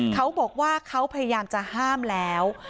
เขาบอกว่าเขาพยายามจะห้ามแล้ว